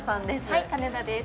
はい金田です